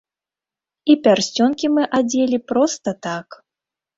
І пярсцёнкі мы адзелі проста так.